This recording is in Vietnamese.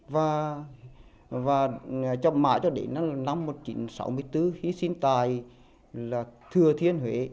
và trong mãi đến năm một nghìn chín trăm sáu mươi bốn hy sinh tại thừa thiên huế